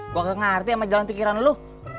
gue gak ngerti sama jalan pikiran lu